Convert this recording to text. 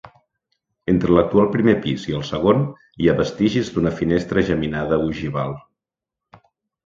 Entre l'actual primer pis i el segon, hi ha vestigis d'una finestra geminada ogival.